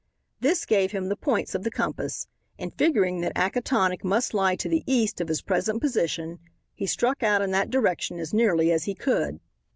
This gave him the points of the compass, and figuring that Acatonick must lie to the east of his present position, he struck out in that direction as nearly as he could.